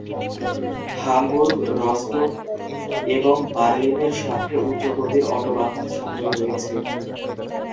Hamburg, Rostock এবং বার্লিনের সাথে উচ্চ গতির অটোবাহন সংযোগ রয়েছে।